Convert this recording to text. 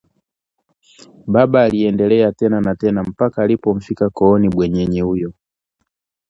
Baba aliendelea tena na tena mpaka alipomfika kooni bwenyenye huyo